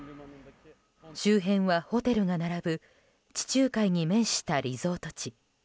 周辺はホテルが並ぶ地中海に面したリゾート地。